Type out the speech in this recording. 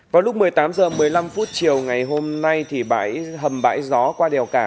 vào lúc một mươi tám h một mươi năm chiều ngày hôm nay thì bãi hầm bãi gió qua đèo cả